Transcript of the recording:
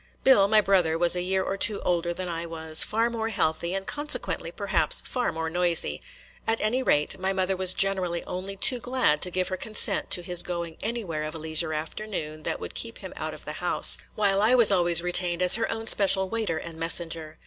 Bill, my brother, was a year or two older than I was; far more healthy, and consequently, perhaps, far more noisy. At any rate, my mother was generally only too glad to give her consent to his going anywhere of a leisure afternoon which would keep him out of the house, while I was always retained as her own special waiter and messenger.